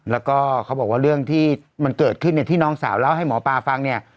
แล้วก็เขาบอกว่าเรื่องที่มันเกิดขึ้นเนี่ยที่น้องสาวเล่าให้หมอปลาฟังเนี่ย